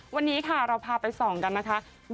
วันนี้ค่ะเราพาไปส่องกันนะคะ